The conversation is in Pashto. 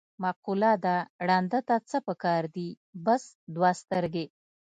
مقوله ده: ړانده ته څه په کار دي، بس دوه سترګې.